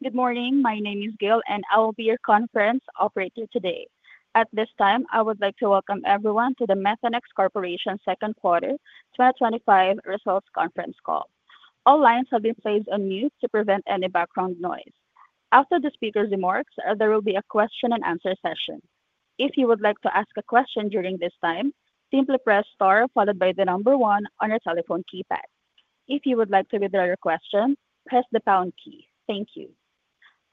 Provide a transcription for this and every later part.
Good morning. My name is Gil, and I will be your conference operator today. At this time, I would like to welcome everyone to the Methanex Corporation's second quarter 2025 results conference call. All lines have been placed on mute to prevent any background noise. After the speakers' remarks, there will be a question and answer session. If you would like to ask a question during this time, simply press star followed by the number one on your telephone keypad. If you would like to withdraw your question, press the pound key. Thank you.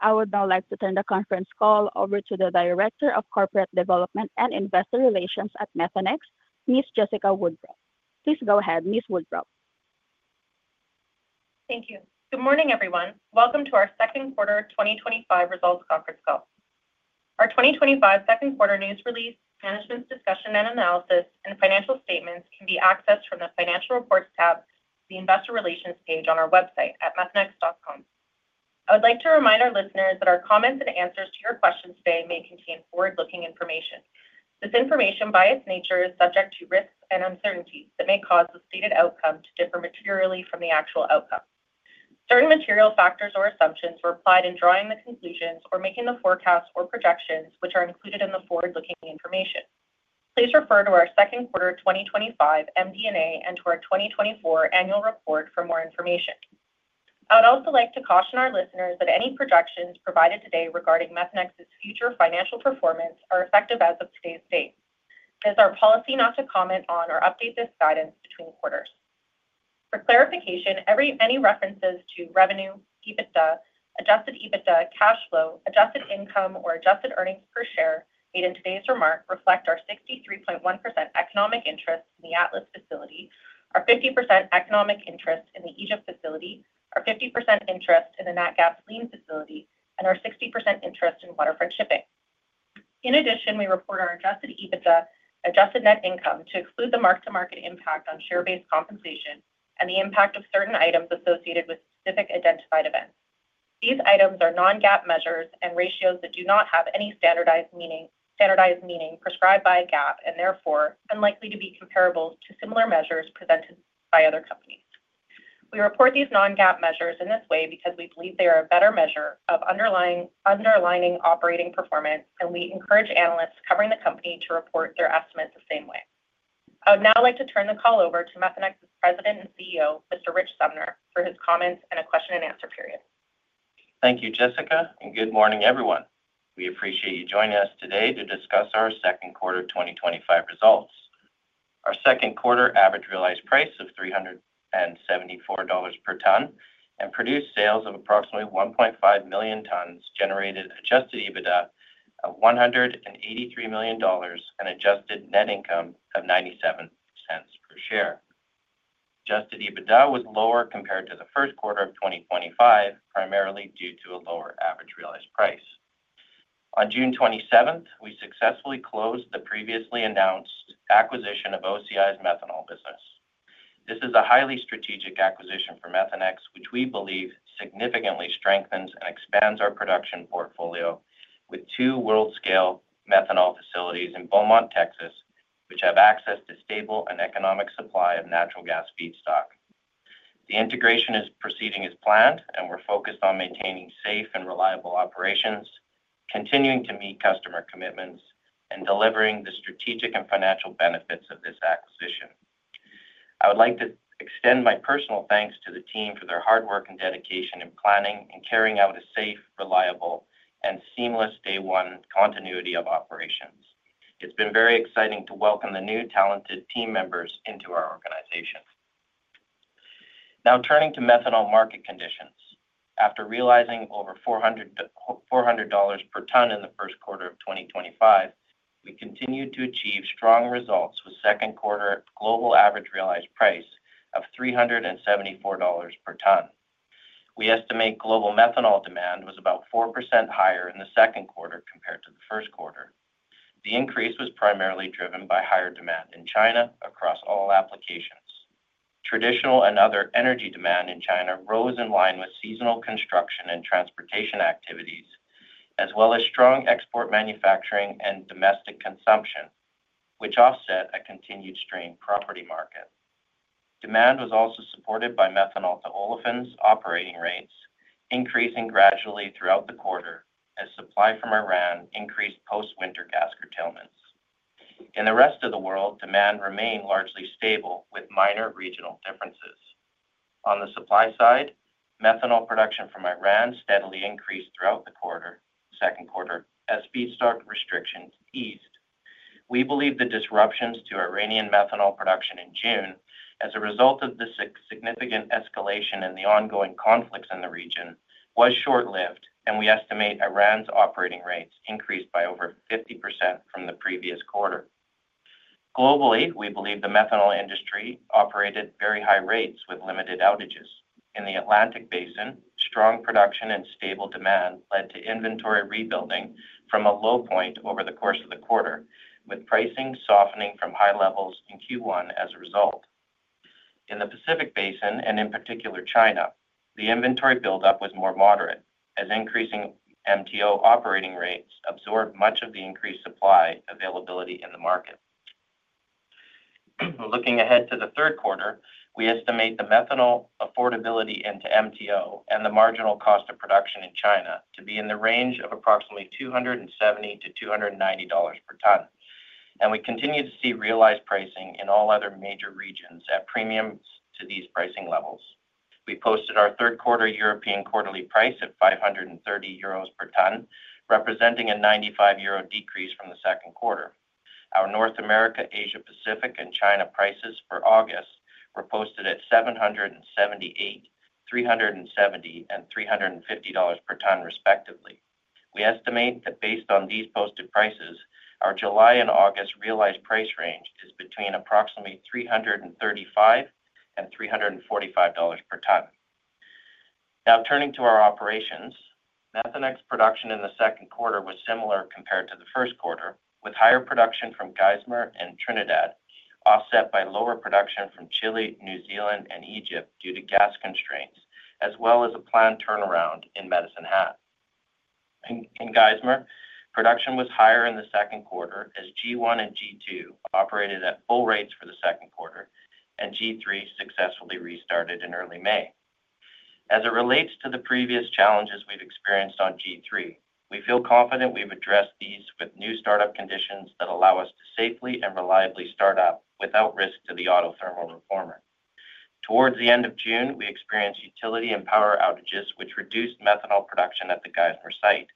I would now like to turn the conference call over to the Director of Corporate Development and Investor Relations at Methanex, Ms. Jessica Woodrop. Please go ahead, Ms. Wood-Rupp. Thank you. Good morning, everyone. Welcome to our second quarter 2025 results conference call. Our 2025 second quarter news release, management's discussion and analysis, and financial statements can be accessed from the Financial Reports tab of the Investor Relations page on our website at methanex.com. I would like to remind our listeners that our comments and answers to your questions today may contain forward-looking information. This information, by its nature, is subject to risks and uncertainties that may cause the stated outcome to differ materially from the actual outcome. Certain material factors or assumptions were applied in drawing the conclusions or making the forecasts or projections, which are included in the forward-looking information. Please refer to our second quarter 2025 MD&A and to our 2024 annual report for more information. I would also like to caution our listeners that any projections provided today regarding Methanex's future financial performance are effective as of today's date. It is our policy not to comment on or update this guidance between quarters. For clarification, any references to revenue, EBITDA, adjusted EBITDA, cash flow, adjusted income, or adjusted earnings per share made in today's remark reflect our 63.1% economic interest in the Atlas facility, our 50% economic interest in the Egypt facility, our 50% interest in the NatGas Lean facility, and our 60% interest in Waterfront Shipping. In addition, we report our adjusted EBITDA, adjusted net income, to exclude the mark-to-market impact on share-based compensation and the impact of certain items associated with specific identified events. These items are non-GAAP measures and ratios that do not have any standardized meaning prescribed by GAAP and therefore are unlikely to be comparable to similar measures presented by other companies. We report these non-GAAP measures in this way because we believe they are a better measure of underlying operating performance, and we encourage analysts covering the company to report their estimates the same way. I would now like to turn the call over to Methanex's President and CEO, Mr. Rich Sumner, for his comments and a question and answer period. Thank you, Jessica, and good morning, everyone. We appreciate you joining us today to discuss our second quarter 2025 results. Our second quarter average realized price of $374 per ton and produced sales of approximately 1.5 million tons generated adjusted EBITDA of $183 million and adjusted net income of $0.97 per share. Adjusted EBITDA was lower compared to the first quarter of 2025, primarily due to a lower average realized price. On June 27, we successfully closed the previously announced acquisition of OCI's methanol business. This is a highly strategic acquisition for Methanex, which we believe significantly strengthens and expands our production portfolio with two world-scale methanol facilities in Beaumont, Texas, which have access to stable and economic supply of natural gas feedstock. The integration is proceeding as planned, and we're focused on maintaining safe and reliable operations, continuing to meet customer commitments, and delivering the strategic and financial benefits of this acquisition. I would like to extend my personal thanks to the team for their hard work and dedication in planning and carrying out a safe, reliable, and seamless day-one continuity of operations. It's been very exciting to welcome the new talented team members into our organization. Now, turning to methanol market conditions. After realizing over $400 per ton in the first quarter of 2025, we continued to achieve strong results with second quarter global average realized price of $374 per ton. We estimate global methanol demand was about 4% higher in the second quarter compared to the first quarter. The increase was primarily driven by higher demand in China across all applications. Traditional and other energy demand in China rose in line with seasonal construction and transportation activities, as well as strong export manufacturing and domestic consumption, which offset a continued strained property market. Demand was also supported by methanol-to-olefins operating rates, increasing gradually throughout the quarter as supply from Iran increased post-winter gas curtailments. In the rest of the world, demand remained largely stable with minor regional differences. On the supply side, methanol production from Iran steadily increased throughout the second quarter as feedstock restrictions eased. We believe the disruptions to Iranian methanol production in June, as a result of the significant escalation in the ongoing conflicts in the region, were short-lived, and we estimate Iran's operating rates increased by over 50% from the previous quarter. Globally, we believe the methanol industry operated at very high rates with limited outages. In the Atlantic Basin, strong production and stable demand led to inventory rebuilding from a low point over the course of the quarter, with pricing softening from high levels in Q1 as a result. In the Pacific Basin, and in particular China, the inventory buildup was more moderate as increasing methanol-to-olefins (MTO) operating rates absorbed much of the increased supply availability in the market. Looking ahead to the third quarter, we estimate the methanol affordability into MTO and the marginal cost of production in China to be in the range of approximately $270-$290 per ton, and we continue to see realized pricing in all other major regions at premiums to these pricing levels. We posted our third quarter European quarterly price at 530 euros per ton, representing a 95 euro decrease from the second quarter. Our North America, Asia Pacific, and China prices for August were posted at $778, $370, and $350 per ton, respectively. We estimate that based on these posted prices, our July and August realized price range is between approximately $335 and $345 per ton. Now, turning to our operations, Methanex production in the second quarter was similar compared to the first quarter, with higher production from Geismar and Trinidad, offset by lower production from Chile, New Zealand, and Egypt due to gas constraints, as well as a planned turnaround in Medicine Hat. In Geismar, production was higher in the second quarter as G1 and G2 operated at full rates for the second quarter, and G3 successfully restarted in early May. As it relates to the previous challenges we've experienced on G3, we feel confident we've addressed these with new startup conditions that allow us to safely and reliably start up without risk to the autothermal reformer. Towards the end of June, we experienced utility and power outages, which reduced methanol production at the Geismar site.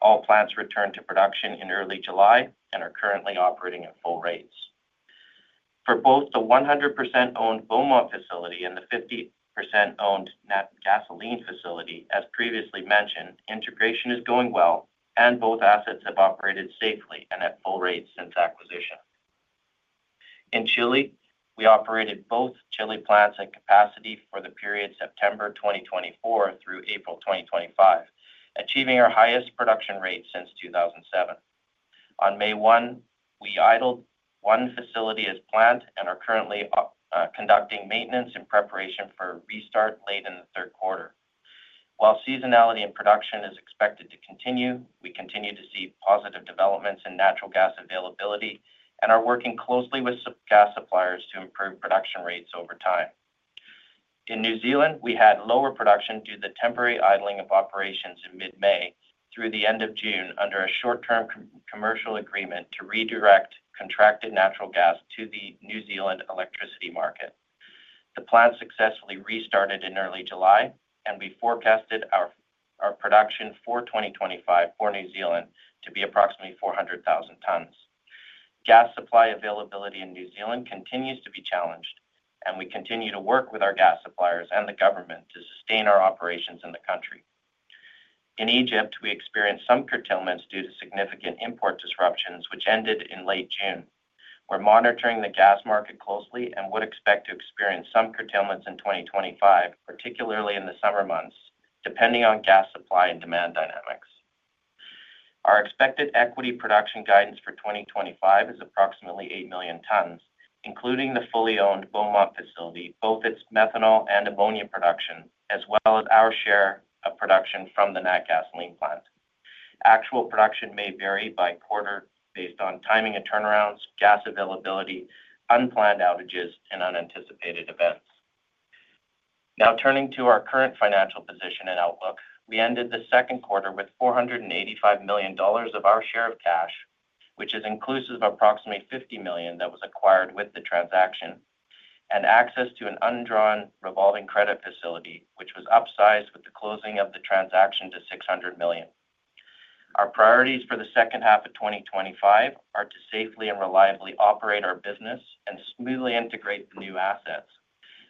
All plants returned to production in early July and are currently operating at full rates. For both the 100% owned Beaumont facility and the 50% owned NatGas Lean facility, as previously mentioned, integration is going well, and both assets have operated safely and at full rates since acquisition. In Chile, we operated both Chile plants at capacity for the period September 2024 through April 2025, achieving our highest production rate since 2007. On May 1, we idled one facility as planned and are currently conducting maintenance in preparation for a restart late in the third quarter. While seasonality in production is expected to continue, we continue to see positive developments in natural gas availability and are working closely with gas suppliers to improve production rates over time. In New Zealand, we had lower production due to the temporary idling of operations in mid-May through the end of June under a short-term commercial agreement to redirect contracted natural gas to the New Zealand electricity market. The plant successfully restarted in early July, and we forecasted our production for 2025 for New Zealand to be approximately 400,000 tons. Gas supply availability in New Zealand continues to be challenged, and we continue to work with our gas suppliers and the government to sustain our operations in the country. In Egypt, we experienced some curtailments due to significant import disruptions, which ended in late June. We're monitoring the gas market closely and would expect to experience some curtailments in 2025, particularly in the summer months, depending on gas supply and demand dynamics. Our expected equity production guidance for 2025 is approximately 8 million tons, including the fully owned Beaumont facility, both its methanol and ammonia production, as well as our share of production from the NatGas Lean plant. Actual production may vary by quarter based on timing of turnarounds, gas availability, unplanned outages, and unanticipated events. Now, turning to our current financial position and outlook, we ended the second quarter with $485 million of our share of cash, which is inclusive of approximately $50 million that was acquired with the transaction, and access to an undrawn revolving credit facility, which was upsized with the closing of the transaction to $600 million. Our priorities for the second half of 2025 are to safely and reliably operate our business and smoothly integrate the new assets.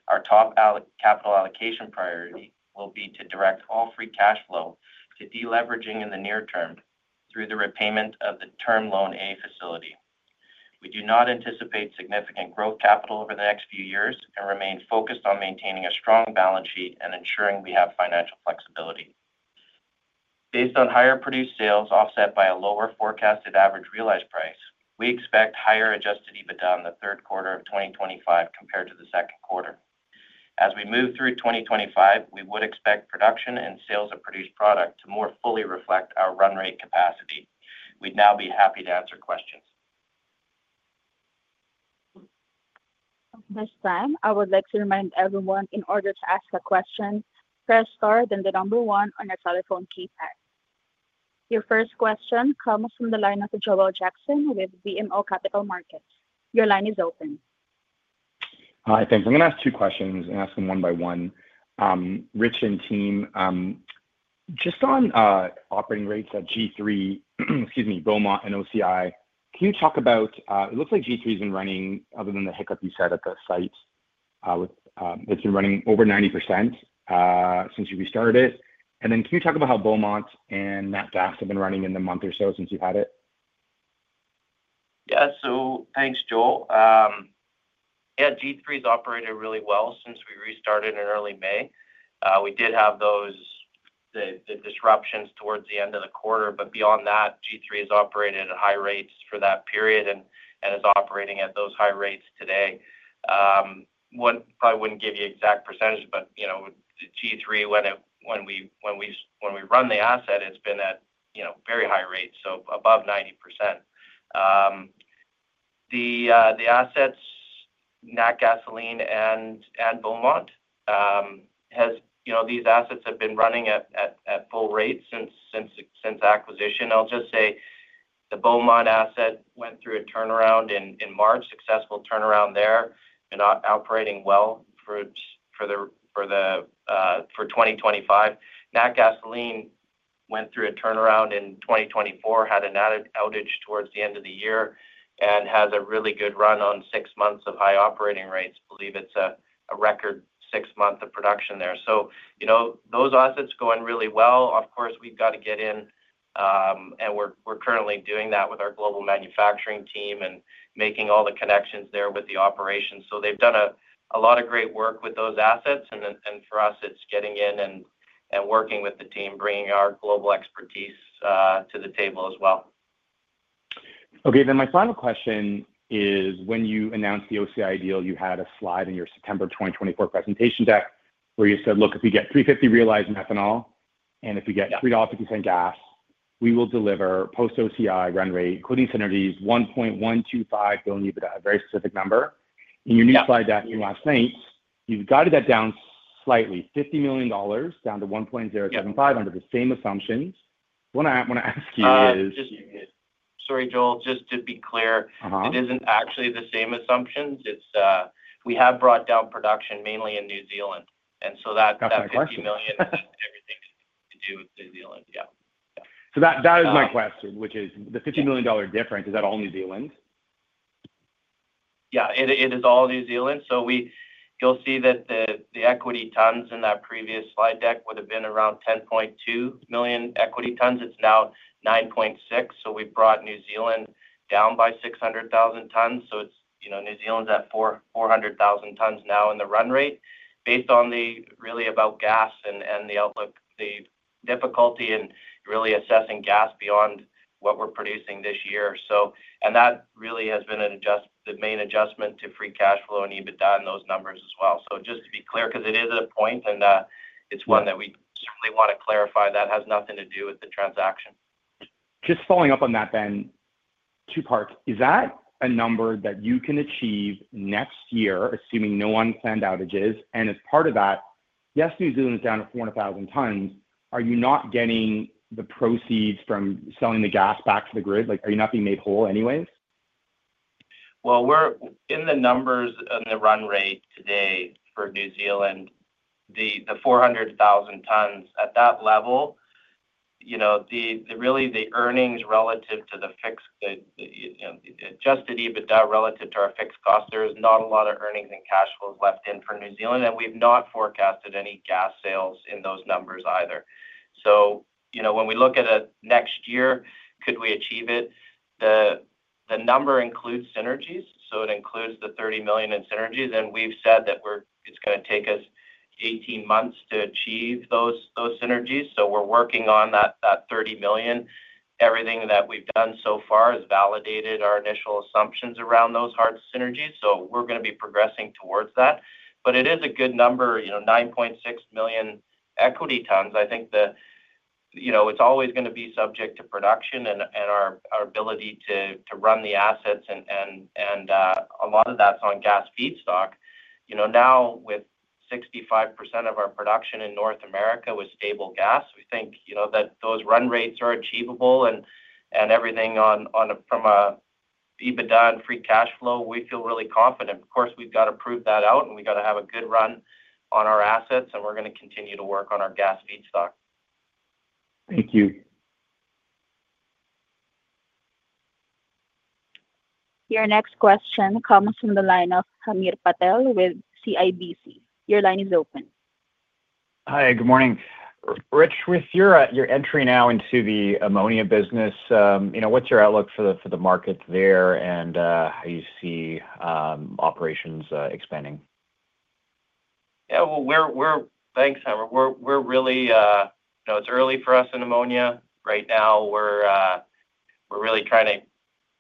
Our top capital allocation priority will be to direct all free cash flow to deleveraging in the near term through the repayment of the Term Loan A facility. We do not anticipate significant growth capital over the next few years and remain focused on maintaining a strong balance sheet and ensuring we have financial flexibility. Based on higher produced sales offset by a lower forecasted average realized price, we expect higher adjusted EBITDA in the third quarter of 2025 compared to the second quarter. As we move through 2025, we would expect production and sales of produced product to more fully reflect our run rate capacity. We would now be happy to answer questions. Thank you, Mr. Sam. I would like to remind everyone, in order to ask a question, press star then the number one on your telephone keypad. Your first question comes from the line of Joel Jackson with BMO Capital Markets. Your line is open. Hi, thanks. I'm going to ask two questions and ask them one by one. Rich and team, just on operating rates at G3, excuse me, Beaumont and OCI, can you talk about it looks like G3 has been running, other than the hiccup you said at the site, it's been running over 90% since you restarted it. Can you talk about how Beaumont and NatGas have been running in the month or so since you had it? Yeah, so thanks, Joel. G3 has operated really well since we restarted in early May. We did have those disruptions towards the end of the quarter, but beyond that, G3 has operated at high rates for that period and is operating at those high rates today. I probably wouldn't give you exact percentages, but you know G3, when we run the asset, it's been at very high rates, so above 90%. The assets, NatGas Lean and Beaumont, these assets have been running at full rates since acquisition. I'll just say the Beaumont asset went through a turnaround in March, successful turnaround there, and operating well for 2025. NatGas Lean went through a turnaround in 2024, had an added outage towards the end of the year, and has a really good run on six months of high operating rates. I believe it's a record six months of production there. Those assets going really well. Of course, we've got to get in, and we're currently doing that with our global manufacturing team and making all the connections there with the operations. They've done a lot of great work with those assets, and for us, it's getting in and working with the team, bringing our global expertise to the table as well. Okay, my final question is when you announced the OCI deal, you had a slide in your September 2024 presentation deck where you said, "Look, if we get $350 realized methanol and if we get $3.50 gas, we will deliver post-OCI run rate, including synergies, $1.125 billion EBITDA," a very specific number. In your new slide deck from last night, you've got it down slightly, $50 million down to $1.075 billion under the same assumptions. What I want to ask you is... Sorry, Joel, just to be clear, it isn't actually the same assumptions. We have brought down production mainly in New Zealand, and so that $50 million is everything to do with New Zealand. Yeah. That is my question, which is the $50 million difference, is that all New Zealand? Yeah, it is all New Zealand. You'll see that the equity tons in that previous slide deck would have been around 10.2 million equity tons. It's now 9.6, so we've brought New Zealand down by 600,000 tons. New Zealand's at 400,000 tons now in the run rate based on really about gas and the outlook, the difficulty in really assessing gas beyond what we're producing this year. That really has been the main adjustment to free cash flow and EBITDA in those numbers as well. Just to be clear, because it is at a point and it's one that we certainly want to clarify, that has nothing to do with the transaction. Just following up on that then, two parts. Is that a number that you can achieve next year, assuming no unplanned outages? As part of that, yes, New Zealand is down to 400,000 tons. Are you not getting the proceeds from selling the gas back to the grid? Like, are you not being made whole anyways? We're in the numbers and the run rate today for New Zealand, the 400,000 tons at that level, you know, really the earnings relative to the fixed adjusted EBITDA relative to our fixed cost, there is not a lot of earnings and cash flows left in for New Zealand, and we've not forecasted any gas sales in those numbers either. When we look at it next year, could we achieve it? The number includes synergies, so it includes the $30 million in synergies, and we've said that it's going to take us 18 months to achieve those synergies, so we're working on that $30 million. Everything that we've done so far has validated our initial assumptions around those hard synergies, so we're going to be progressing towards that. It is a good number, you know, 9.6 million equity tons. I think that, you know, it's always going to be subject to production and our ability to run the assets, and a lot of that's on gas feedstock. Now with 65% of our production in North America with stable gas, we think, you know, that those run rates are achievable and everything from an EBITDA and free cash flow, we feel really confident. Of course, we've got to prove that out and we've got to have a good run on our assets, and we're going to continue to work on our gas feedstock. Thank you. Your next question comes from the line of Amir Patel with CIBC. Your line is open. Hi, good morning. Rich, with your entry now into the ammonia business, what's your outlook for the market there and how you see operations expanding? Yeah, thanks, Amir. We're really, you know, it's early for us in ammonia right now. We're really trying to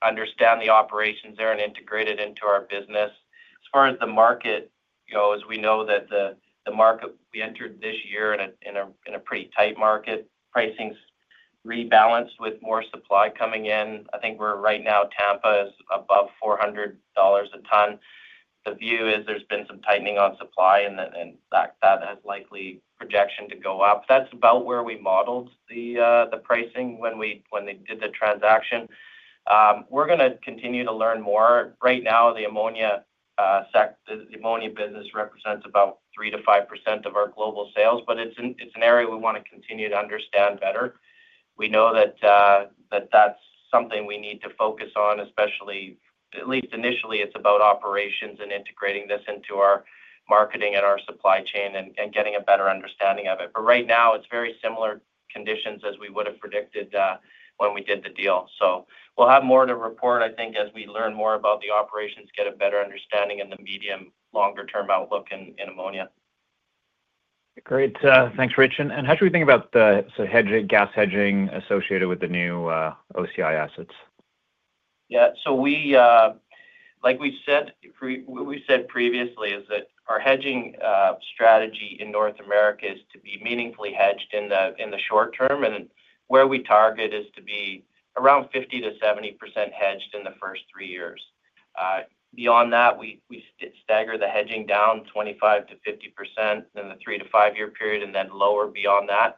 understand the operations there and integrate it into our business. As far as the market goes, we know that the market we entered this year in a pretty tight market, pricing's rebalanced with more supply coming in. I think right now, Tampa is above $400 a ton. The view is there's been some tightening on supply and that has likely projection to go up. That's about where we modeled the pricing when we did the transaction. We're going to continue to learn more. Right now, the ammonia business represents about 3% to 5% of our global sales, but it's an area we want to continue to understand better. We know that that's something we need to focus on, especially, at least initially, it's about operations and integrating this into our marketing and our supply chain and getting a better understanding of it. Right now, it's very similar conditions as we would have predicted when we did the deal. We'll have more to report, I think, as we learn more about the operations, get a better understanding in the medium longer-term outlook in ammonia. Great. Thanks, Rich. How should we think about the gas hedging associated with the new OCI assets? Yeah, like we said previously, our hedging strategy in North America is to be meaningfully hedged in the short term, and where we target is to be around 50%-70% hedged in the first three years. Beyond that, we stagger the hedging down 25% to 50% in the three to five-year period and then lower beyond that.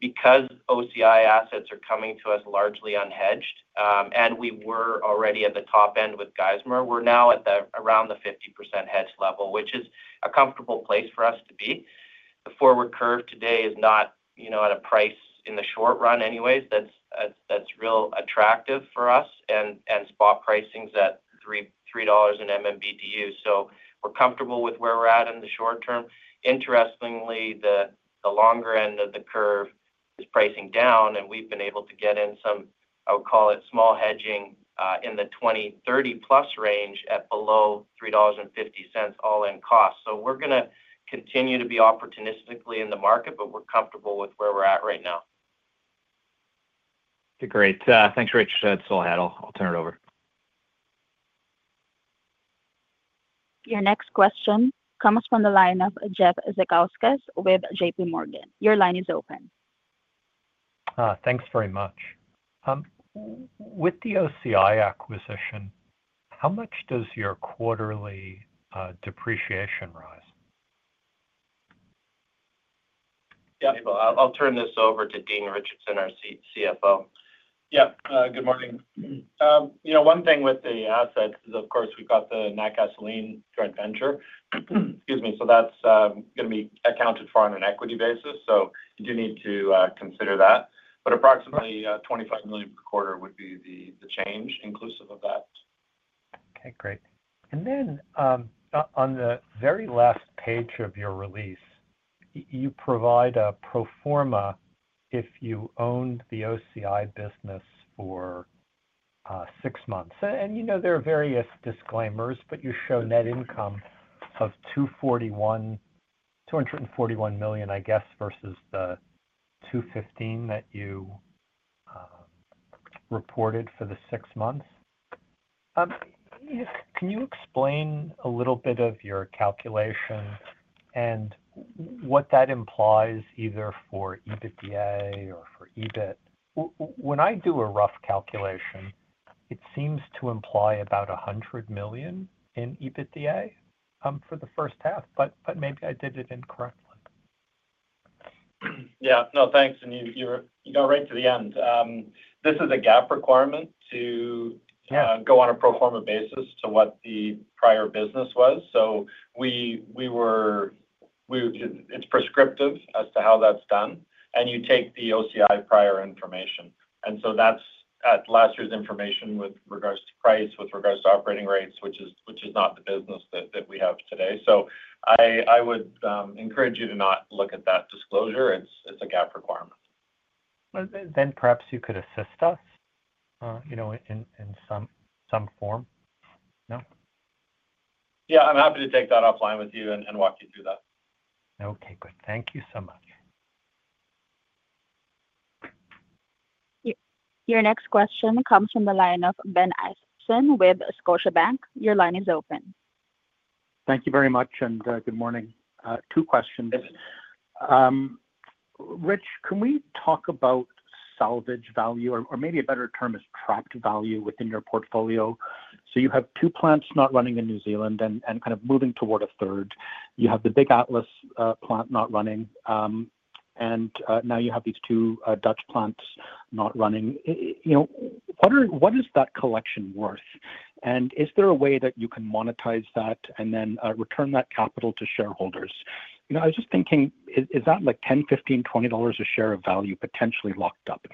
Because OCI assets are coming to us largely unhedged, and we were already at the top end with Geismar, we're now at around the 50% hedge level, which is a comfortable place for us to be. The forward curve today is not at a price in the short run anyways that's real attractive for us and spot pricing is at $3 an MMBtu. We're comfortable with where we're at in the short term. Interestingly, the longer end of the curve is pricing down, and we've been able to get in some, I would call it, small hedging in the $20, $30 plus range at below $3.50 all-in cost. We're going to continue to be opportunistically in the market, but we're comfortable with where we're at right now. Great. Thanks, Rich. That's all I had. I'll turn it over. Your next question comes from the line of Jeff Zakowskis with JPMorgan. Your line is open. Thanks very much. With the OCI acquisition, how much does your quarterly depreciation rise? Yeah, I'll turn this over to Dean Richardson, our CFO. Yeah, good morning. One thing with the assets is, of course, we've got the NatGas Lean joint venture. Excuse me. That's going to be accounted for on an equity basis. You do need to consider that. Approximately $25 million per quarter would be the change inclusive of that. Okay, great. On the very last page of your release, you provide a pro forma if you owned the OCI business for six months. There are various disclaimers, but you show net income of $241 million, I guess, versus the $215 million that you reported for the six months. Can you explain a little bit of your calculation and what that implies either for EBITDA or for EBIT? When I do a rough calculation, it seems to imply about $100 million in EBITDA for the first half, but maybe I did it incorrectly. Thanks. You got right to the end. This is a GAAP requirement to go on a pro forma basis to what the prior business was. It is prescriptive as to how that's done. You take the OCI prior information, and that's at last year's information with regards to price and with regards to operating rates, which is not the business that we have today. I would encourage you to not look at that disclosure. It's a GAAP requirement. Perhaps you could assist us, you know, in some form. Yeah, I'm happy to take that offline with you and walk you through that. Okay, good. Thank you so much. Your next question comes from the line of Ben Isaacson with Scotiabank. Your line is open. Thank you very much. Good morning. Two questions. Rich, can we talk about salvage value, or maybe a better term is trapped value within your portfolio? You have two plants not running in New Zealand and kind of moving toward a third. You have the big Atlas plant not running. Now you have these two Dutch plants not running. What is that collection worth? Is there a way that you can monetize that and then return that capital to shareholders? I was just thinking, is that like $10, $15, $20 a share of value potentially locked up?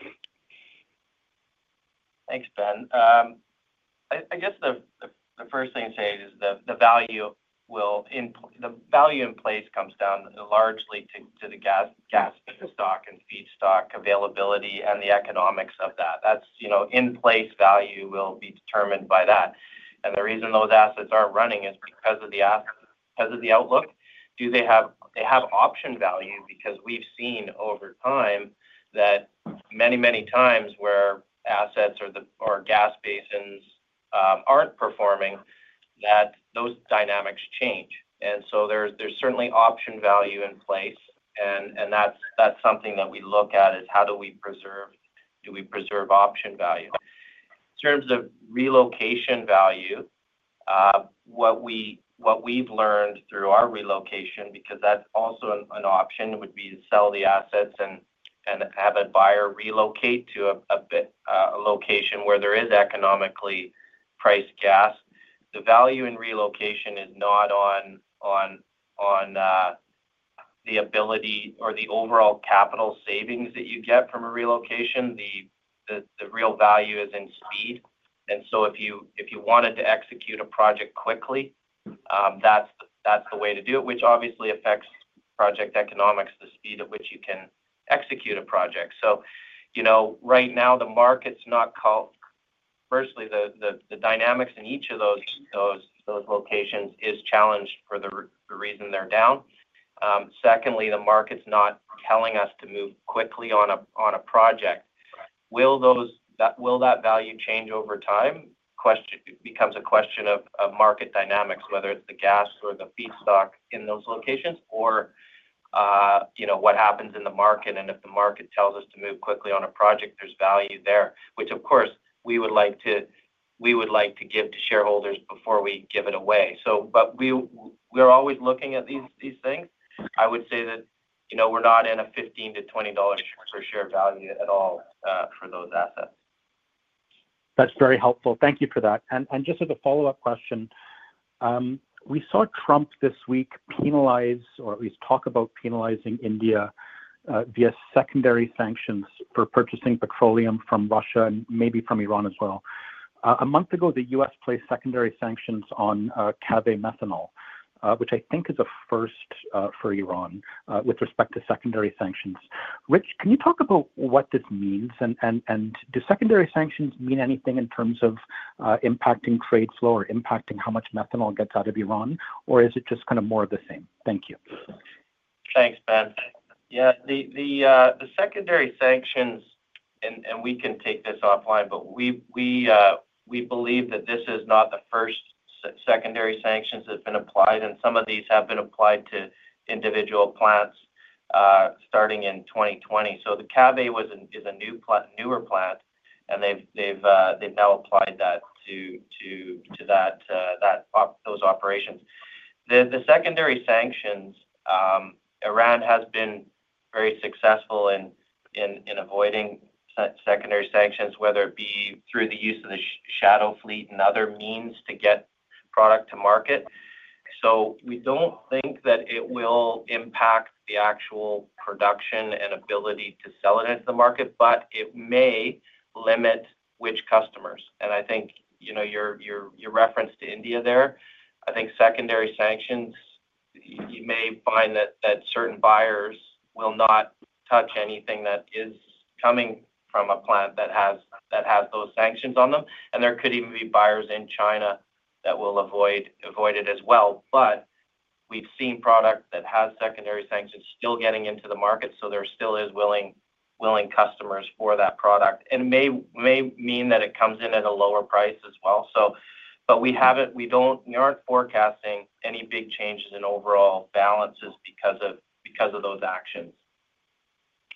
Thanks, Ben. I guess the first thing to say is the value in place comes down largely to the gas feedstock and feedstock availability and the economics of that. That's, you know, in place value will be determined by that. The reason those assets aren't running is because of the outlook. Do they have option value? We've seen over time that many, many times where assets or gas basins aren't performing, those dynamics change. There's certainly option value in place. That's something that we look at, is how do we preserve, do we preserve option value? In terms of relocation value, what we've learned through our relocation, because that's also an option, would be to sell the assets and have a buyer relocate to a location where there is economically priced gas. The value in relocation is not on the ability or the overall capital savings that you get from a relocation. The real value is in speed. If you wanted to execute a project quickly, that's the way to do it, which obviously affects project economics, the speed at which you can execute a project. Right now the market's not called. Firstly, the dynamics in each of those locations are challenged for the reason they're down. Secondly, the market's not telling us to move quickly on a project. Will that value change over time? It becomes a question of market dynamics, whether it's the gas or the feedstock in those locations, or you know what happens in the market. If the market tells us to move quickly on a project, there's value there, which of course we would like to give to shareholders before we give it away. We're always looking at these things. I would say that we're not in a $15 to $20 per share value at all for those assets. That's very helpful. Thank you for that. Just as a follow-up question, we saw Trump this week penalize, or at least talk about penalizing India via secondary sanctions for purchasing petroleum from Russia and maybe from Iran as well. A month ago, the U.S. placed secondary sanctions on KV methanol, which I think is a first for Iran with respect to secondary sanctions. Rich, can you talk about what this means? Do secondary sanctions mean anything in terms of impacting trade flow or impacting how much methanol gets out of Iran, or is it just kind of more of the same? Thank you. Thanks, Ben. Yeah, the secondary sanctions, and we can take this offline, but we believe that this is not the first secondary sanctions that have been applied, and some of these have been applied to individual plants starting in 2020. So the KV is a newer plant, and they've now applied that to those operations. The secondary sanctions, Iran has been very successful in avoiding secondary sanctions, whether it be through the use of the shadow fleet and other means to get product to market. We don't think that it will impact the actual production and ability to sell it into the market, but it may limit which customers. I think, you know, your reference to India there, I think secondary sanctions, you may find that certain buyers will not touch anything that is coming from a plant that has those sanctions on them. There could even be buyers in China that will avoid it as well. We've seen product that has secondary sanctions still getting into the market, so there still are willing customers for that product. It may mean that it comes in at a lower price as well. We haven't, we don't, we aren't forecasting any big changes in overall balances because of those actions.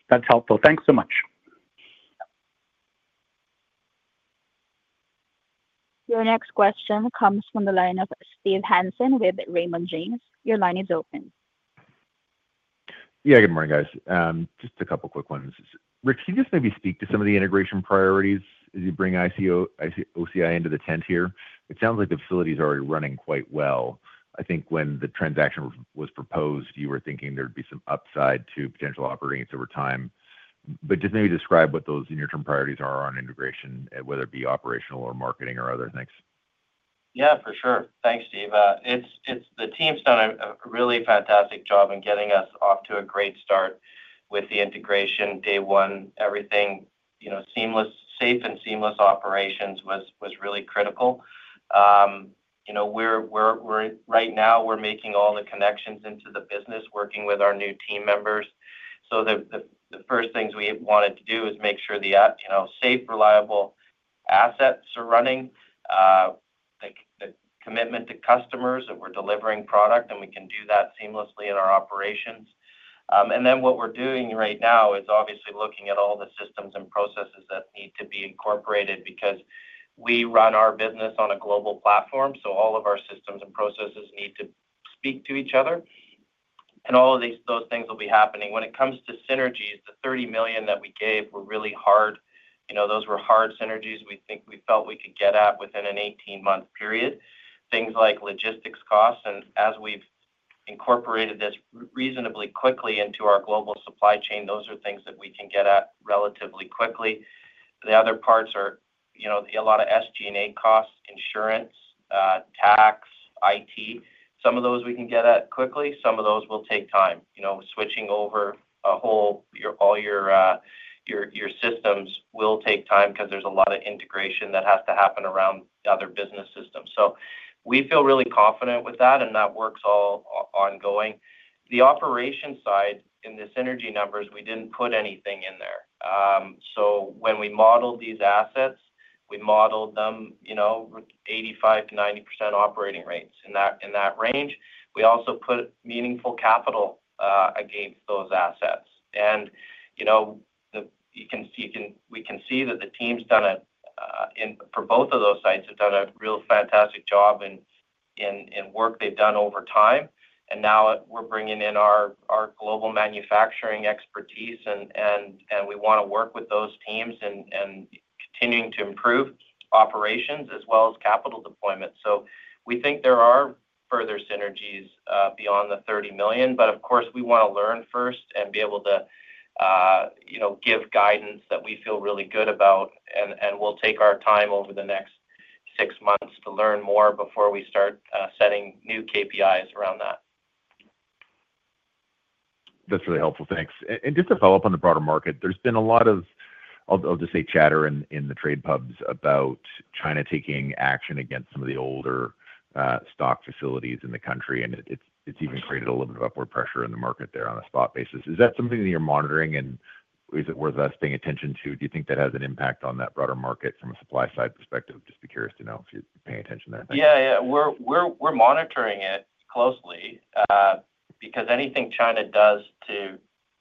That's helpful. Thanks so much. Your next question comes from the line of Steve Hansen with Raymond James. Your line is open. Yeah, good morning, guys. Just a couple of quick ones. Rich, can you just maybe speak to some of the integration priorities as you bring OCI into the tent here? It sounds like the facility is already running quite well. I think when the transaction was proposed, you were thinking there'd be some upside to potential operating rates over time. Just maybe describe what those near-term priorities are on integration, whether it be operational or marketing or other things. Yeah, for sure. Thanks, Steve. The team's done a really fantastic job in getting us off to a great start with the integration day one. Everything, you know, safe and seamless operations was really critical. Right now, we're making all the connections into the business, working with our new team members. The first things we wanted to do is make sure the safe, reliable assets are running, the commitment to customers that we're delivering product, and we can do that seamlessly in our operations. What we're doing right now is obviously looking at all the systems and processes that need to be incorporated because we run our business on a global platform. All of our systems and processes need to speak to each other, and all of those things will be happening. When it comes to synergies, the $30 million that we gave were really hard. Those were hard synergies we think we felt we could get at within an 18-month period. Things like logistics costs, and as we've incorporated this reasonably quickly into our global supply chain, those are things that we can get at relatively quickly. The other parts are a lot of SG&A costs, insurance, tax, IT. Some of those we can get at quickly. Some of those will take time. Switching over all your systems will take time because there's a lot of integration that has to happen around other business systems. We feel really confident with that, and that work's all ongoing. The operation side, in the synergy numbers, we didn't put anything in there. When we modeled these assets, we modeled them 85-90% operating rates in that range. We also put meaningful capital against those assets. You can see that the team's done it, for both of those sites, have done a real fantastic job in work they've done over time. Now we're bringing in our global manufacturing expertise, and we want to work with those teams in continuing to improve operations as well as capital deployment. We think there are further synergies beyond the $30 million, but of course, we want to learn first and be able to give guidance that we feel really good about. We'll take our time over the next six months to learn more before we start setting new KPIs around that. That's really helpful. Thanks. Just to follow up on the broader market, there's been a lot of, I'll just say, chatter in the trade pubs about China taking action against some of the older stock facilities in the country. It's even created a little bit of upward pressure in the market there on a spot basis. Is that something that you're monitoring? Is it worth us paying attention to? Do you think that has an impact on that broader market from a supply side perspective? Just be curious to know if you're paying attention there. Yeah, we're monitoring it closely because anything China does to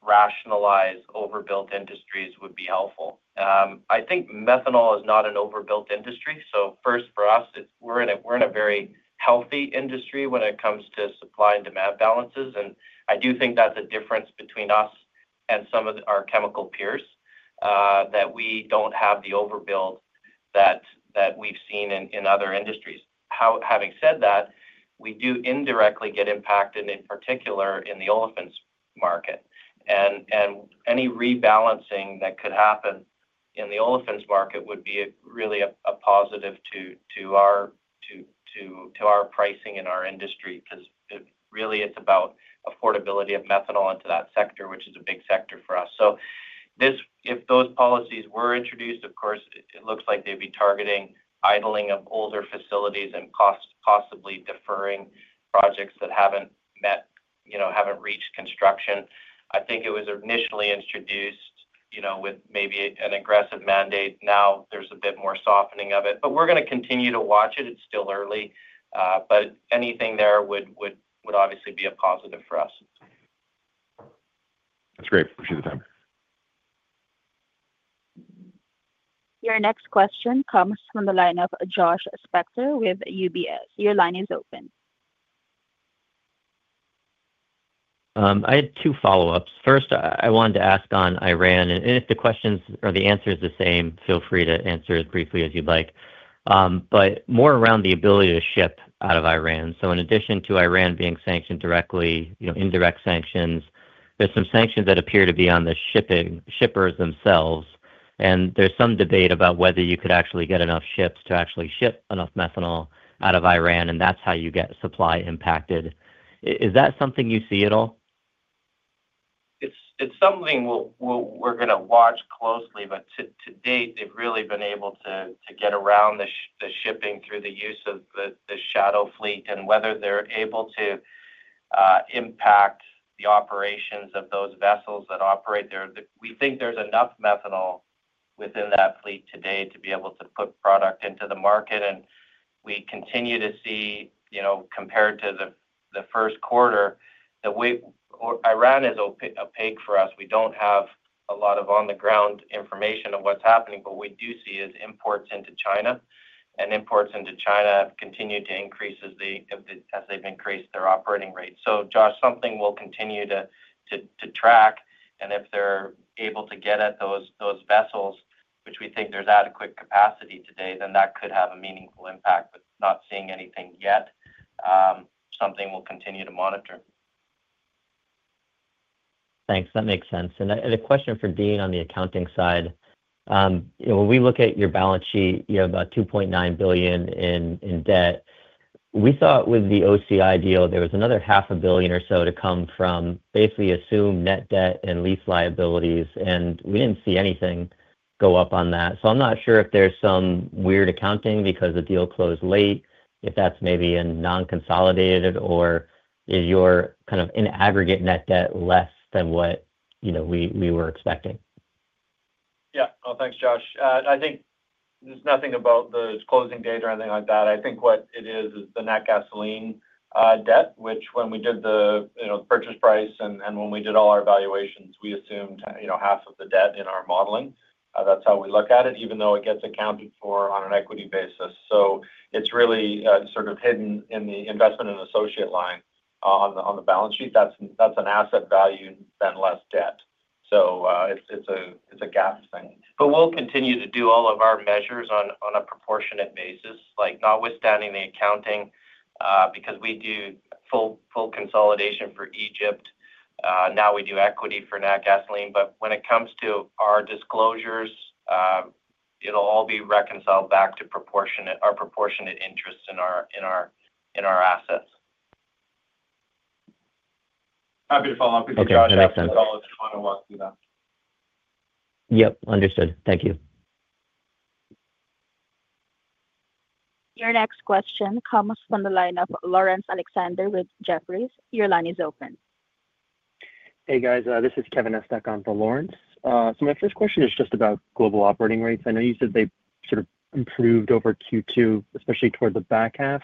rationalize overbuilt industries would be helpful. I think methanol is not an overbuilt industry. For us, we're in a very healthy industry when it comes to supply and demand balances. I do think that's a difference between us and some of our chemical peers, that we don't have the overbuild that we've seen in other industries. Having said that, we do indirectly get impacted, in particular in the olefins market. Any rebalancing that could happen in the olefins market would be really a positive to our pricing in our industry because really it's about affordability of methanol into that sector, which is a big sector for us. If those policies were introduced, of course, it looks like they'd be targeting idling of older facilities and possibly deferring projects that haven't reached construction. I think it was initially introduced with maybe an aggressive mandate. Now there's a bit more softening of it. We're going to continue to watch it. It's still early. Anything there would obviously be a positive for us. That's great. Appreciate the time. Your next question comes from the line of Josh Spector with UBS. Your line is open. I had two follow-ups. First, I wanted to ask on Iran. If the questions or the answer is the same, feel free to answer as briefly as you'd like. More around the ability to ship out of Iran. In addition to Iran being sanctioned directly, you know, indirect sanctions, there's some sanctions that appear to be on the shippers themselves. There's some debate about whether you could actually get enough ships to actually ship enough methanol out of Iran, and that's how you get supply impacted. Is that something you see at all? It's something we're going to watch closely, but to date, they've really been able to get around the shipping through the use of the shadow fleet, and whether they're able to impact the operations of those vessels that operate there. We think there's enough methanol within that fleet today to be able to put product into the market. We continue to see, compared to the first quarter, that Iran is opaque for us. We don't have a lot of on-the-ground information of what's happening, but we do see imports into China, and imports into China have continued to increase as they've increased their operating rate. Josh, something we'll continue to track. If they're able to get at those vessels, which we think there's adequate capacity today, then that could have a meaningful impact, but not seeing anything yet. Something we'll continue to monitor. Thanks. That makes sense. A question for Dean on the accounting side. When we look at your balance sheet, you have about $2.9 billion in debt. We thought with the OCI deal, there was another half a billion or so to come from basically assumed net debt and lease liabilities, and we didn't see anything go up on that. I'm not sure if there's some weird accounting because the deal closed late, if that's maybe a non-consolidated, or is your kind of in-aggregate net debt less than what we were expecting? Thanks, Josh. I think there's nothing about the closing date or anything like that. I think what it is is the NatGas Lean debt, which when we did the purchase price and when we did all our evaluations, we assumed half of the debt in our modeling. That's how we look at it, even though it gets accounted for on an equity basis. It's really sort of hidden in the investment and associate line on the balance sheet. That's an asset value and then less debt. It's a GAAP thing. We will continue to do all of our measures on a proportionate basis, notwithstanding the accounting, because we do full consolidation for Egypt. Now we do equity for NatGas Lean. When it comes to our disclosures, it will all be reconciled back to our proportionate interest in our assets. Happy to follow up with you, Josh. I can follow up if you want to walk through that. Yep, understood. Thank you. Your next question comes from the line of Laurence Alexander with Jefferies. Your line is open. Hey, guys. This is Kevin Henderson for Laurence Alexander. My first question is just about global operating rates. I know you said they sort of improved over Q2, especially toward the back half.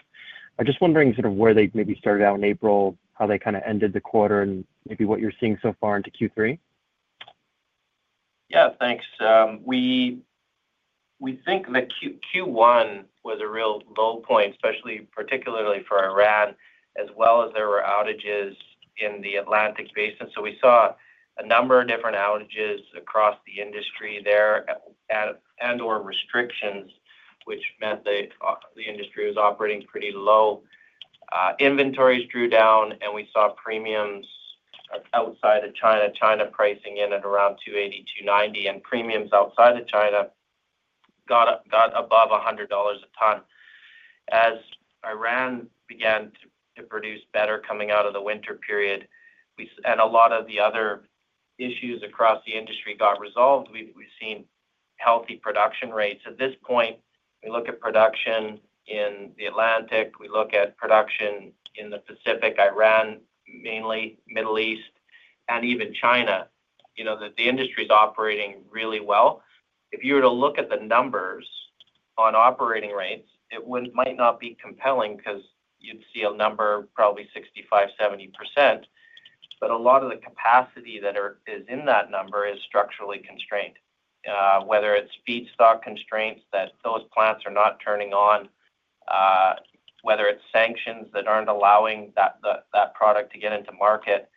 I'm just wondering where they maybe started out in April, how they kind of ended the quarter, and maybe what you're seeing so far into Q3? Yeah, thanks. We think that Q1 was a real low point, especially particularly for Iran, as well as there were outages in the Atlantic Basin. We saw a number of different outages across the industry there and restrictions, which meant the industry was operating pretty low. Inventories drew down, and we saw premiums outside of China, China pricing in at around $280, $290, and premiums outside of China got above $100 a ton. As Iran began to produce better coming out of the winter period, and a lot of the other issues across the industry got resolved, we've seen healthy production rates. At this point, we look at production in the Atlantic. We look at production in the Pacific, Iran, mainly Middle East, and even China. You know that the industry is operating really well. If you were to look at the numbers on operating rates, it might not be compelling because you'd see a number probably 65, 70%. A lot of the capacity that is in that number is structurally constrained. Whether it's feedstock constraints that those plants are not turning on, whether it's sanctions that aren't allowing that product to get into market,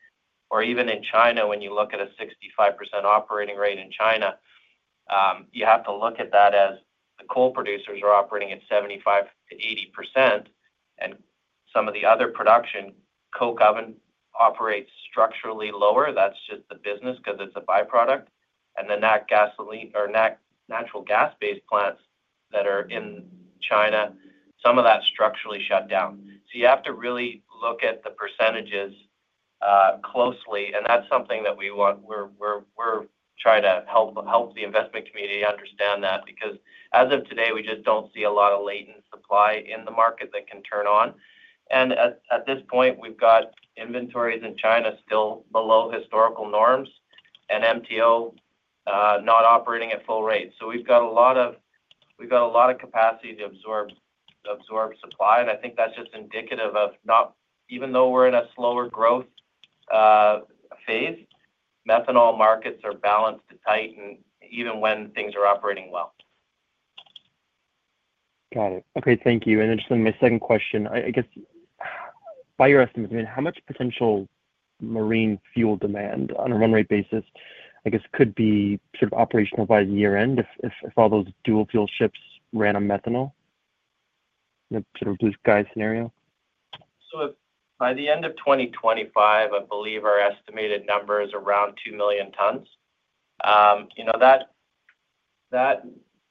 or even in China, when you look at a 65% operating rate in China, you have to look at that as the coal producers are operating at 75 to 80%. Some of the other production, Coke Oven, operates structurally lower. That's just the business because it's a byproduct. The natural gas-based plants that are in China, some of that's structurally shut down. You have to really look at the percentages closely. That's something that we want we're trying to help the investment community understand because as of today, we just don't see a lot of latent supply in the market that can turn on. At this point, we've got inventories in China still below historical norms and MTO not operating at full rate. We've got a lot of capacity to absorb supply. I think that's just indicative of not even though we're in a slower growth phase, methanol markets are balanced to tighten even when things are operating well. Got it. Okay, thank you. On my second question, by your estimates, how much potential marine fuel demand on a run rate basis could be operational by the year end if all those dual fuel ships ran on methanol? Sort of blue sky scenario. By the end of 2025, I believe our estimated number is around 2 million tons.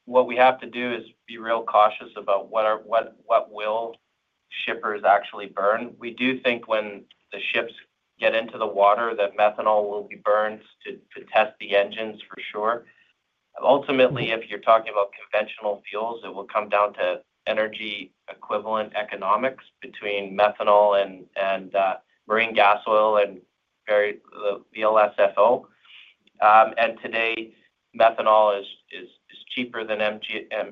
What we have to do is be real cautious about what will shippers actually burn. We do think when the ships get into the water, that methanol will be burned to test the engines for sure. Ultimately, if you're talking about conventional fuels, it will come down to energy equivalent economics between methanol and marine gas oil and the LSFO. Today, methanol is cheaper than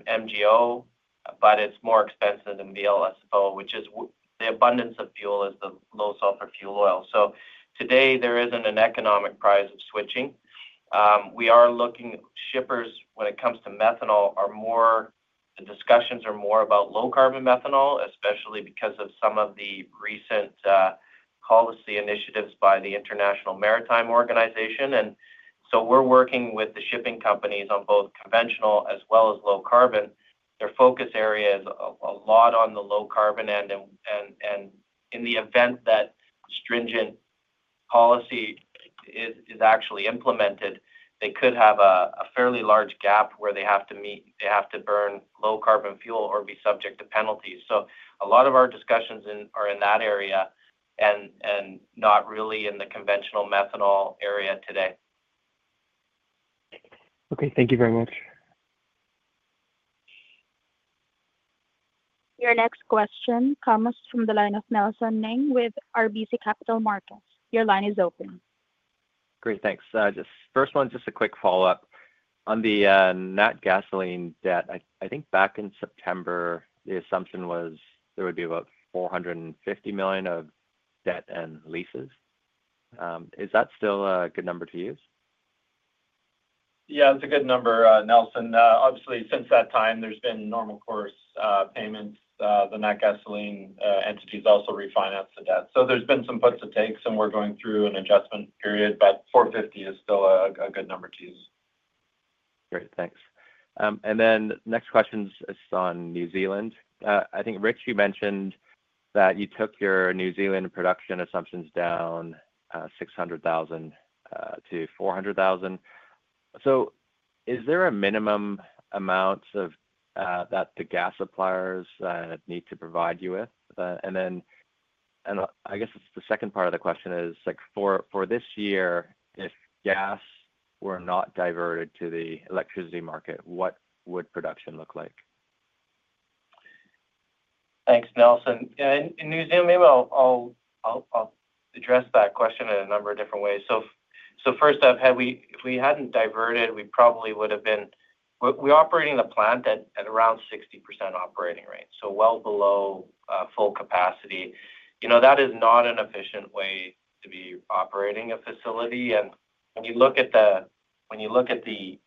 MGO, but it's more expensive than the LSFO, which is the abundance of fuel, the low sulfur fuel oil. Today, there isn't an economic prize of switching. We are looking at shippers when it comes to methanol. The discussions are more about low carbon methanol, especially because of some of the recent policy initiatives by the International Maritime Organization. We are working with the shipping companies on both conventional as well as low carbon. Their focus area is a lot on the low carbon end. In the event that stringent policy is actually implemented, they could have a fairly large gap where they have to meet, they have to burn low carbon fuel or be subject to penalties. A lot of our discussions are in that area and not really in the conventional methanol area today. Okay, thank you very much. Your next question comes from the line of Nelson Ng with RBC Capital Markets. Your line is open. Great, thanks. Just first one, just a quick follow-up. On the NatGas Lean debt, I think back in September, the assumption was there would be about $450 million of debt and leases. Is that still a good number to use? Yeah, that's a good number, Nelson. Obviously, since that time, there's been normal course payments. The NatGas Lean entities also refinanced the debt. There's been some puts and takes, and we're going through an adjustment period, but $450 million is still a good number to use. Great, thanks. The next question is on New Zealand. I think, Rich, you mentioned that you took your New Zealand production assumptions down from 600,000 to 400,000. Is there a minimum amount that the gas suppliers need to provide you with? I guess the second part of the question is, for this year, if gas were not diverted to the electricity market, what would production look like? Thanks, Nelson. In New Zealand, maybe I'll address that question in a number of different ways. First, if we hadn't diverted, we probably would have been operating the plant at around 60% operating rate, so well below full capacity. That is not an efficient way to be operating a facility. When you look at the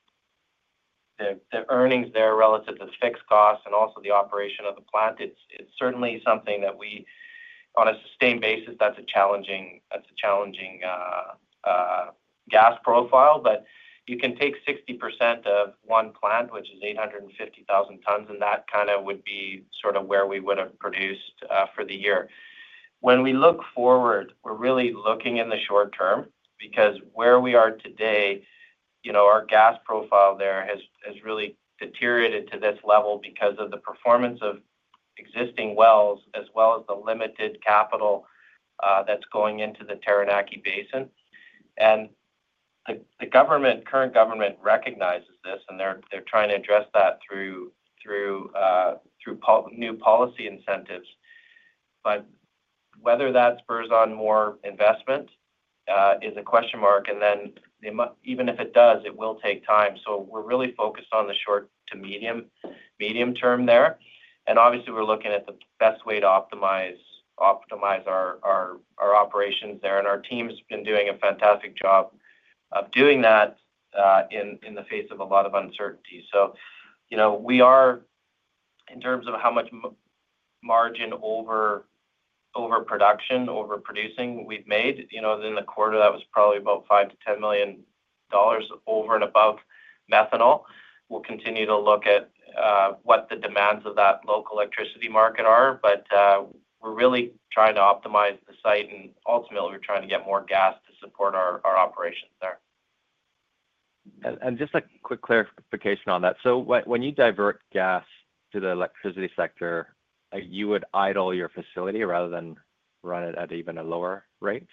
earnings there relative to the fixed costs and also the operation of the plant, it's certainly something that we, on a sustained basis, that's a challenging gas profile. You can take 60% of one plant, which is 850,000 tons, and that kind of would be sort of where we would have produced for the year. When we look forward, we're really looking in the short term because where we are today, our gas profile there has really deteriorated to this level because of the performance of existing wells as well as the limited capital that's going into the Taranaki Basin. The current government recognizes this, and they're trying to address that through new policy incentives. Whether that spurs on more investment is a question mark. Even if it does, it will take time. We're really focused on the short to medium term there. Obviously, we're looking at the best way to optimize our operations there, and our team's been doing a fantastic job of doing that in the face of a lot of uncertainty. We are, in terms of how much margin over production, over producing we've made, in the quarter, that was probably about $5 million to $10 million over and above methanol. We'll continue to look at what the demands of that local electricity market are, but we're really trying to optimize the site. Ultimately, we're trying to get more gas to support our operations there. Just a quick clarification on that. When you divert gas to the electricity sector, you would idle your facility rather than run it at even a lower rate?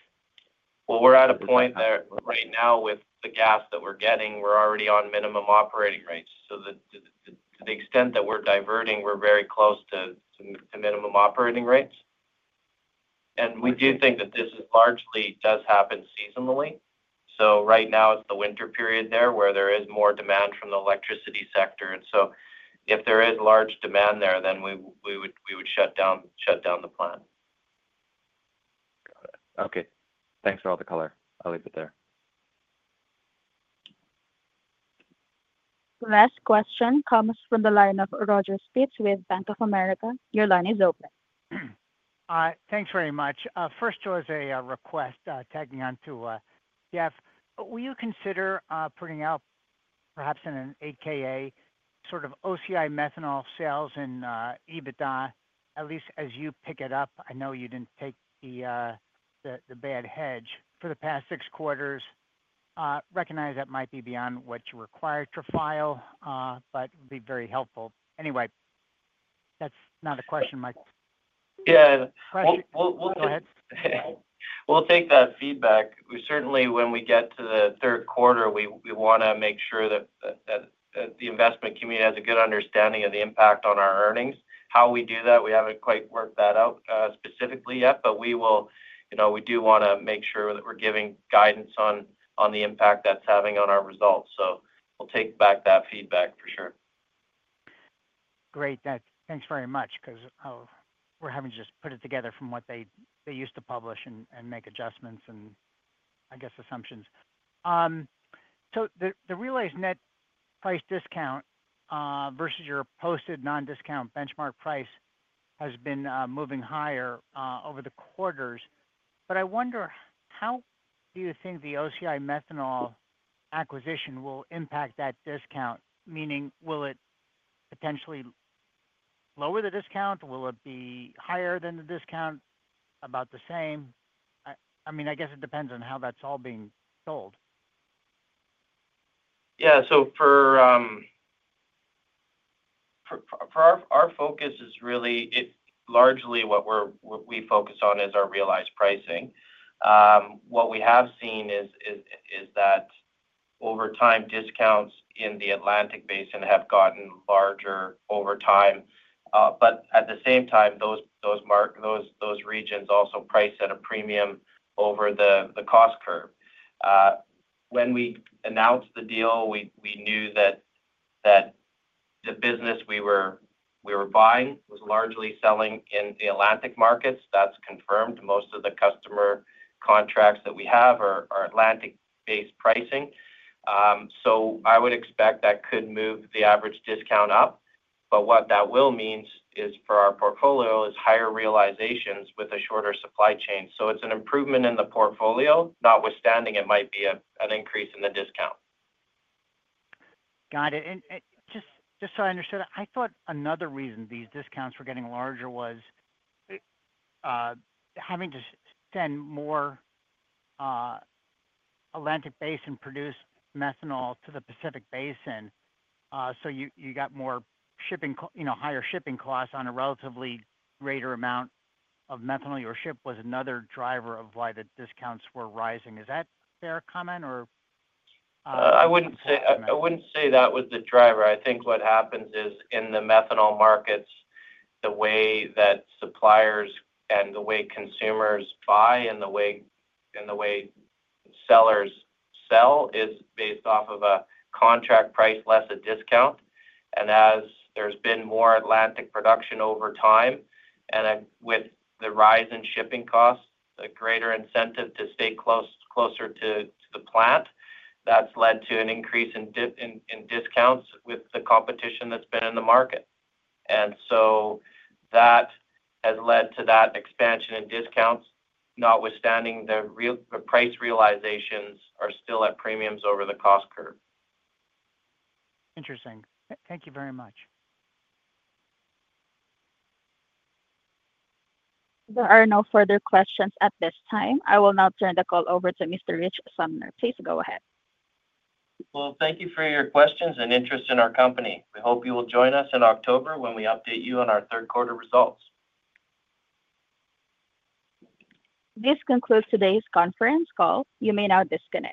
We're at a point there right now with the gas that we're getting, we're already on minimum operating rates. To the extent that we're diverting, we're very close to minimum operating rates. We do think that this largely does happen seasonally. Right now, it's the winter period there where there is more demand from the electricity sector. If there is large demand there, then we would shut down the plant. Got it. Okay, thanks for all the color. I'll leave it there. Last question comes from the line of Roger Spitz with Bank of America. Your line is open. Thanks very much. First, it was a request tagging on to Jeff. Will you consider putting out perhaps in an AKA sort of OCI methanol sales in EBITDA, at least as you pick it up? I know you didn't take the bad hedge for the past six quarters. Recognize that might be beyond what you require to file, but it would be very helpful. Anyway, that's not a question, Mike. We'll take. Go ahead. We’ll take that feedback. When we get to the third quarter, we want to make sure that the investment community has a good understanding of the impact on our earnings. How we do that, we haven't quite worked that out specifically yet, but we will. We do want to make sure that we're giving guidance on the impact that's having on our results. We’ll take back that feedback for sure. Great, thanks very much, because we're having to just put it together from what they used to publish and make adjustments and, I guess, assumptions. The relays net price discount versus your posted non-discount benchmark price has been moving higher over the quarters. I wonder, how do you think the OCI methanol acquisition will impact that discount? Meaning, will it potentially lower the discount? Will it be higher than the discount, about the same? I guess it depends on how that's all being sold. Yeah, our focus is really, it's largely what we focus on is our realized pricing. What we have seen is that over time, discounts in the Atlantic Basin have gotten larger over time. At the same time, those regions also price at a premium over the cost curve. When we announced the deal, we knew that the business we were buying was largely selling in the Atlantic markets. That's confirmed. Most of the customer contracts that we have are Atlantic-based pricing. I would expect that could move the average discount up. What that will mean for our portfolio is higher realizations with a shorter supply chain. It's an improvement in the portfolio, notwithstanding it might be an increase in the discount. Got it. Just so I understood, I thought another reason these discounts were getting larger was having to send more Atlantic Basin-produced methanol to the Pacific Basin. You have more shipping, higher shipping costs on a relatively greater amount of methanol your ship was another driver of why the discounts were rising. Is that a fair comment or? I wouldn't say that was the driver. I think what happens is in the methanol markets, the way that suppliers and the way consumers buy and the way sellers sell is based off of a contract price less a discount. As there's been more Atlantic production over time, with the rise in shipping costs, a greater incentive to stay closer to the plant has led to an increase in discounts with the competition that's been in the market. That has led to that expansion in discounts, notwithstanding the price realizations are still at premiums over the cost curve. Interesting. Thank you very much. There are no further questions at this time. I will now turn the call over to Mr. Rich Sumner. Please go ahead. Thank you for your questions and interest in our company. We hope you will join us in October when we update you on our third quarter results. This concludes today's conference call. You may now disconnect.